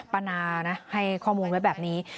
ป้านานะให้ข้อมูลไว้แบบนี้